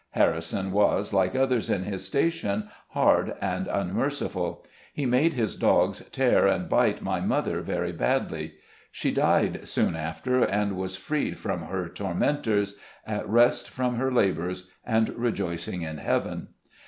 Harri son was, like others in his station, hard and unmer ciful. He made his dogs tear and bite my mother very badly. She died soon after, and was freed 178 SKETCHES OF SLAVE LIFE. from her tormentors, at rest from her labors, and rejoicing in heaven.